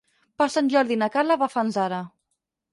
Per Sant Jordi na Carla va a Fanzara.